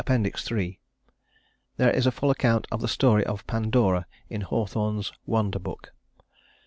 III There is a full account of the story of Pandora in Hawthorne's "Wonder Book."